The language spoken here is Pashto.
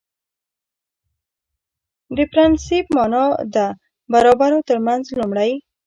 د پرنسېپ معنا ده برابرو ترمنځ لومړی